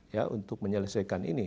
ya untuk menyelesaikan ini